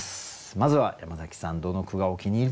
まずは山崎さんどの句がお気に入りでしょうか？